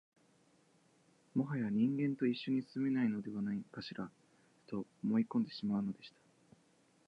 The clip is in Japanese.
もはや人間と一緒に住めないのではないかしら、と思い込んでしまうのでした